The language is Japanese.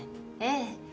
ええ。